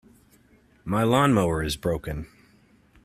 My lawn-mower is broken.